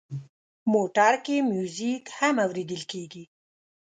موټر کې میوزیک هم اورېدل کېږي.